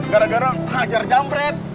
gara gara hajar jamret